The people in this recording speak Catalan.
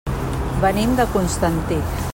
Venim de Constantí.